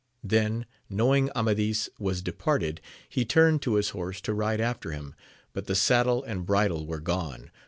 Then, knowing Amadis was departed, he turned to his horse to ride after him, but the saddle and bridle weie gone